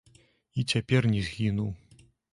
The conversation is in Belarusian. І цяпер не згінуў.